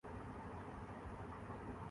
کے بعد تین جرنیل واپس چلے گئے